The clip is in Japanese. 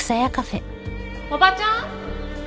おばちゃん？